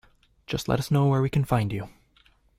Just let us know where we can find you.